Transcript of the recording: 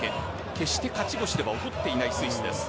決して勝ち星では劣っていないスイスです。